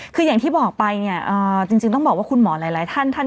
คืออย่างที่บอกไปเนี่ยจริงต้องบอกว่าคุณหมอหลายท่านท่าน